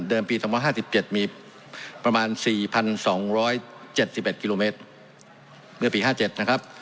ปี๒๕๗มีประมาณ๔๒๗๑กิโลเมตรเมื่อปี๕๗นะครับ